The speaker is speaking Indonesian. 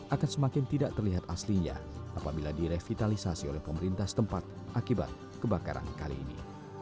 akan semakin tidak terlihat aslinya apabila direvitalisasi oleh pemerintah setempat akibat kebakaran kali ini